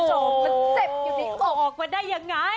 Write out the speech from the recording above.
มันเจ็บอยู่ที่ออกมาได้ยังไง